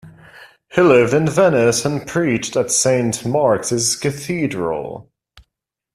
He lived in Venice, and preached at Saint Mark's Cathedral.